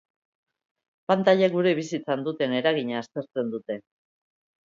Pantailek gure bizitzan duten eragina aztertzen dute.